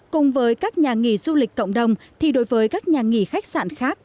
cùng với các nhà nghỉ du lịch cộng đồng thì đối với các nhà nghỉ khách sạn khác